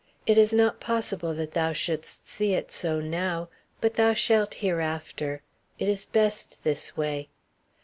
It is not possible that thou shouldst see it so now, but thou shalt hereafter. It is best this way."